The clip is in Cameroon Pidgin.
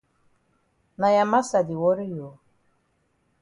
Na ya massa di worry you?